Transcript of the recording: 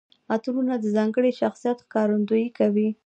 عطرونه د ځانګړي شخصیت ښکارندويي کوي.